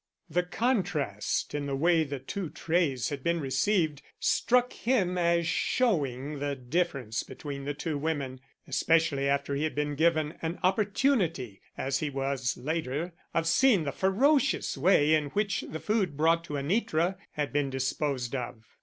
The contrast in the way the two trays had been received struck him as showing the difference between the two women, especially after he had been given an opportunity, as he was later, of seeing the ferocious way in which the food brought to Anitra had been disposed of.